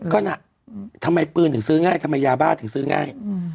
ก็น่ะทำไมปืนถึงซื้อง่ายทำไมยาบ้าถึงซื้อง่าย